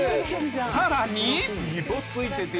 さらに。